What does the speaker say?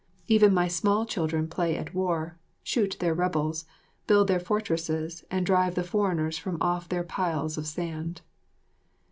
Even my small children play at war, shoot their rebels, build their fortresses and drive the foreigners from off their piles of sand.